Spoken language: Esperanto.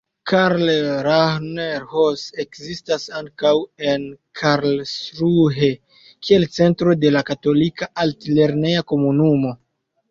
Karl-Rahner-Haus ekzistas ankaŭ en Karlsruhe kiel centro de la Katolika Alt-lerneja Komunumo.